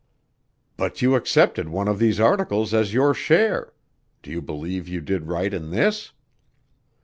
"But you accepted one of these articles as your share. Do you believe you did right in this?"